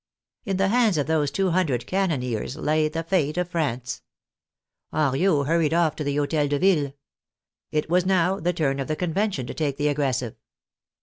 In the hands of those two hundred cannoneers lay the fate of France. Henriot hurried off to the Hotel de Ville. It was now the turn of the Convention to take the aggressive.